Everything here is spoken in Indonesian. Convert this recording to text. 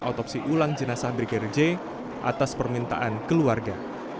otopsi ulang jenazah brigadir j atas permintaan keluarga